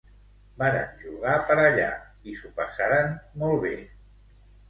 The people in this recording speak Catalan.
Varen jugar per allà i s'ho passaren molt bé!